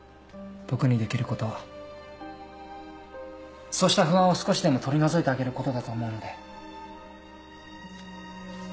僕にできることはそうした不安を少しでも取り除いてあげることだと思うので。